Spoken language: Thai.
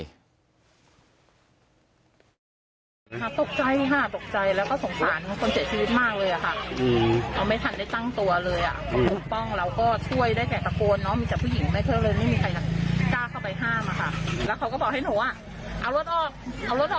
ก็ปลูกป้องเราก็ช่วยได้แค่ตะโกนเนอะมีแต่ผู้หญิงได้เท่าเลยไม่มีใครกล้าเข้าไปห้าม